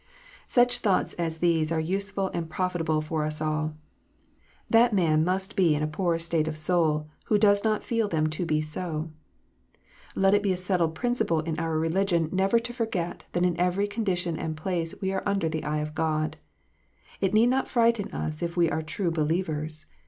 Such thoughts as these are useful and profitable for us all. That man must be in a poor state of soul who does not feel them to be so. Let it be a settled principle in our religion never to forget that in every condition and place we are under the eye of God. It need not frighten us if we are true believers.